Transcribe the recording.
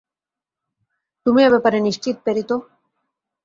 তুমি এ ব্যাপারে নিশ্চিত, পেরিতো?